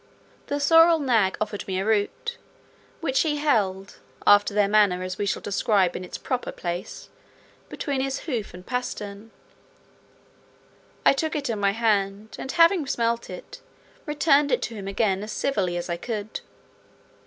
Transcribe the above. The sorrel nag offered me a root, which he held (after their manner, as we shall describe in its proper place) between his hoof and pastern; I took it in my hand, and, having smelt it, returned it to him again as civilly as I could.